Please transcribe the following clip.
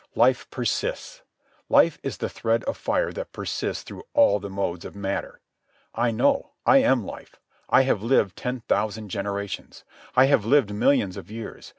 Life persists. Life is the thread of fire that persists through all the modes of matter. I know. I am life. I have lived ten thousand generations. I have lived millions of years.